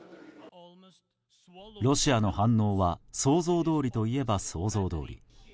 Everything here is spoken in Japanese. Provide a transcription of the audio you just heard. ロシアの反応は想像どおりといえば想像どおり。